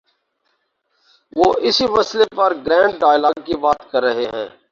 وہ اسی مسئلے پر گرینڈ ڈائیلاگ کی بات کر رہے ہیں۔